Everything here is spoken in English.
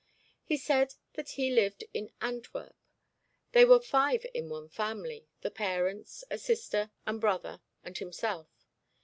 He said that he lived in Antwerp. They were five in one family the parents, a sister and brother, and himself.